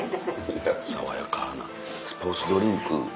爽やかなスポーツドリンク。